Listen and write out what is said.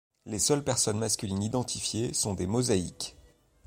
Les seules personnes masculines identifiées sont des “mosaïques”.